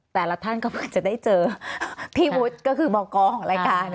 แต่ละท่านก็เหมือนจะได้เจอพี่วุฒิก็คือหมอกอลของรายการค่ะ